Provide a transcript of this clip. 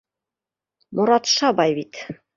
Моратша бай бит.